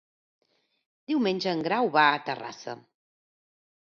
Diumenge en Grau va a Terrassa.